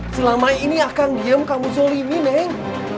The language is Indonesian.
selama ini akan diem kamu zolimi neng